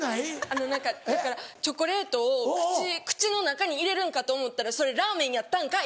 あの何かだからチョコレートを口の中に入れるんかと思ったらそれラーメンやったんかい！